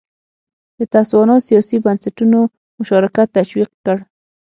د تسوانا سیاسي بنسټونو مشارکت تشویق کړ.